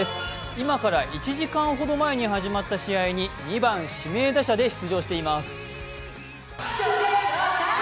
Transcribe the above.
今から１時間ほど前に始まった試合に２番・指名打者で出場しています。